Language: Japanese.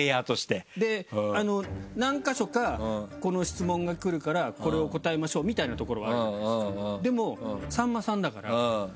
で何カ所かこの質問がくるからこれを答えましょうみたいなところがあるじゃないですかでも。